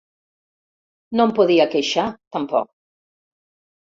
No em podia queixar, tampoc.